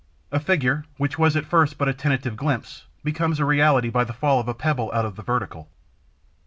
A figure, which was at first but a tentative glimpse, becomes a reality by the fall of a pebble out of the vertical.